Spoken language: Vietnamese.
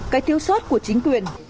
cái thiếu sót của chính quyền